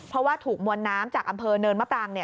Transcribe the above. เพราะว่าถูกมวลน้ำจากอำเภอเนินมะปราง